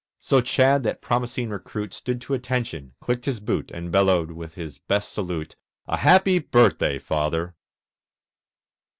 So Chadd, that promising recruit, Stood to attention, clicked his boot, And bellowed, with his best salute, "A happy birthday, Father!"